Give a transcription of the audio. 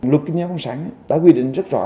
luật kinh doanh công sản đã quy định rất rõ